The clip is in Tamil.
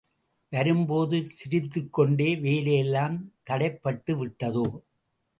வரும்போது சிரித்துக்கொண்டே வேலை எல்லாம் தடைப்பட்டுவிட்டதோ?